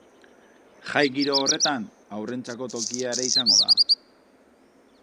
Jai giro horretan haurrentzako tokia ere izango da.